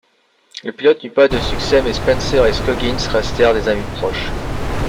Le pilote n’eut pas de succès mais Spencer et Scoggins restèrent des amis proches.